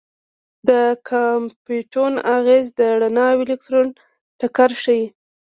د کامپټون اغېز د رڼا او الکترون ټکر ښيي.